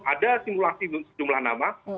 ada simulasi jumlah nama